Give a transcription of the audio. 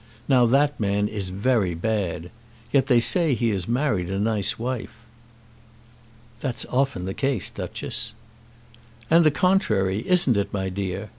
Now that man is very bad. Yet they say he has married a nice wife." "That's often the case, Duchess." "And the contrary; isn't it, my dear?